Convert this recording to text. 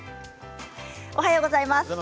おはようございます。